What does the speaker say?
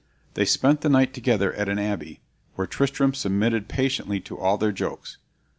They spent the night together at an abbey, where Tristram submitted patiently to all their jokes.